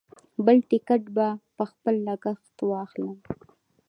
بل ټکټ به په خپل لګښت واخلم.